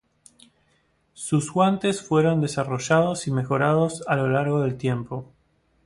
Sus guantes fueron desarrollados y mejorados a lo largo del tiempo.